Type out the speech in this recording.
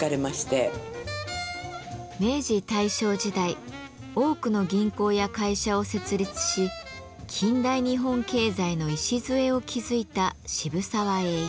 明治大正時代多くの銀行や会社を設立し近代日本経済の礎を築いた渋沢栄一。